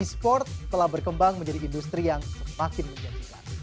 e sport telah berkembang menjadi industri yang semakin menjanjikan